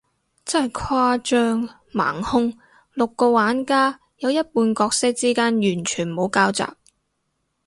真係誇張，盲兇，六個玩家，有一半角色之間完全冇交集，